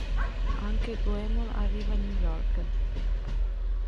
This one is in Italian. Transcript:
Anche Goemon arriva a New York.